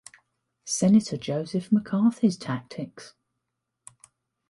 Senator Joseph McCarthy's tactics.